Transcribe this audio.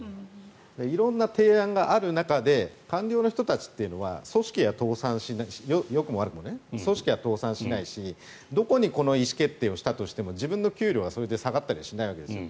色んな提案がある中で官僚の人たちというのは組織は倒産しないしどこに意思決定をしたとしても自分の給料がそれで下がったりしないわけですよ。